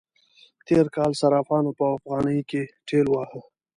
تېر کال صرافانو په افغانی کې ټېل واهه.